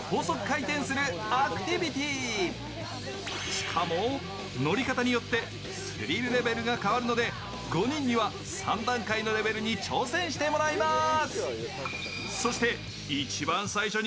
しかも乗り方によってスリルレベルが変わるので５人には３段階のレベルに挑戦してもらいました。